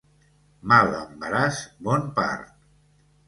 Mal embaràs, bon part.